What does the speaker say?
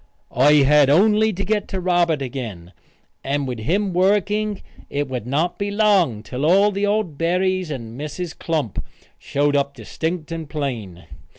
I had only to get Robert again, and with him working it would not be long till all the old Berrys and Mrs. Klump showed up distinct and plain.